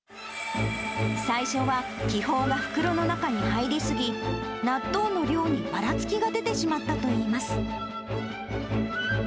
最初は気泡が袋の中に入り過ぎ、納豆の量にばらつきが出てしまったといいます。